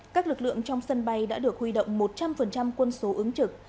các lực lượng trong sân bay đã được huy động một trăm linh quân số ứng trực